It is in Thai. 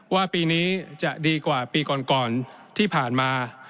ว่าปีนี้จะดีกว่าปีก่อนที่ผ่านมา